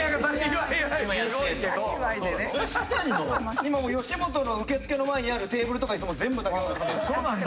今吉本の受付の前にあるテーブルとか椅子も全部竹若さんが。